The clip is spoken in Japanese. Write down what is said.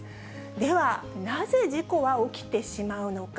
では、なぜ事故は起きてしまうのか。